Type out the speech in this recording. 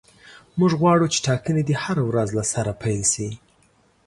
موږ غواړو چې ټاکنې دې هره ورځ له سره پیل شي.